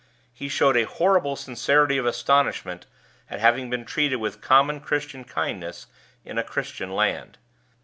He showed a horrible sincerity of astonishment at having been treated with common Christian kindness in a Christian land.